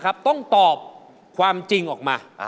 ต้องตอบความจริงออกมา